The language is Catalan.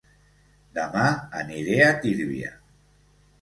Dema aniré a Tírvia